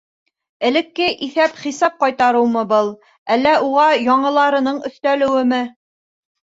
Элекке иҫәп-хисап ҡайтарыуымы был, әллә уға яңыларының өҫтәлеүеме...